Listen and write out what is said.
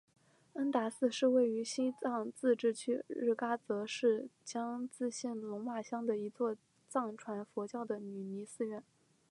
恩达寺是位于西藏自治区日喀则市江孜县龙马乡的一座藏传佛教的女尼寺院。